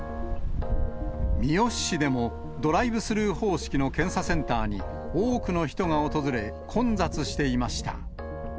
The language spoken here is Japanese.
三次市でも、ドライブスルー方式の検査センターに、多くの人が訪れ、混雑していました。